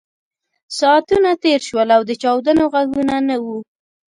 ساعتونه تېر شول او د چاودنو غږونه نه وو